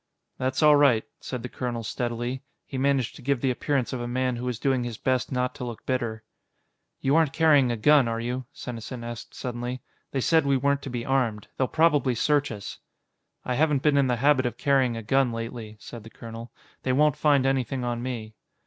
"That's all right," said the colonel steadily. He managed to give the appearance of a man who was doing his best not to look bitter. "You aren't carrying a gun, are you?" Senesin asked suddenly. "They said we weren't to be armed. They'll probably search us." "I haven't been in the habit of carrying a gun lately," said the colonel. "They won't find anything on me."